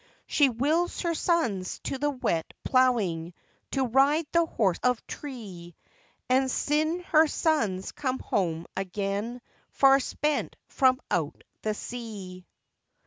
She wills her sons to the wet ploughing, To ride the horse of tree; And syne her sons come home again Far spent from out the sea.